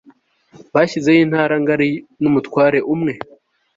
bashyizeho intara ngari n'umutware umwe